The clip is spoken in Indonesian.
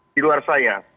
di luar saya